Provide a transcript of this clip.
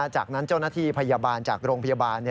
จากนั้นเจ้าหน้าที่พยาบาลจากโรงพยาบาล